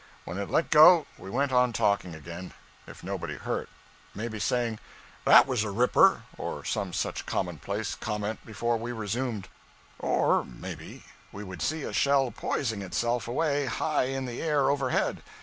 When it let go, we went on talking again, if nobody hurt maybe saying, 'That was a ripper!' or some such commonplace comment before we resumed; or, maybe, we would see a shell poising itself away high in the air overhead.